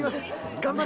頑張れ！